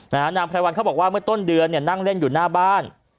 นางไพรวัลเขาบอกว่าเมื่อต้นเดือนเนี่ยนั่งเล่นอยู่หน้าบ้าน